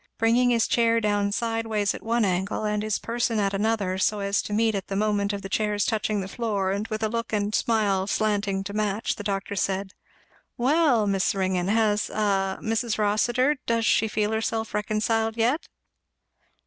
Bringing his chair down sideways at one angle and his person at another, so as to meet at the moment of the chair's touching the floor, and with a look and smile slanting to match, the doctor said, "Well, Miss Ringgan, has a Mrs. Rossitur, does she feel herself reconciled yet?"